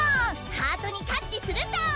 ハートにタッチするトン！